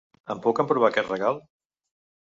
Em puc emprovar aquest regal?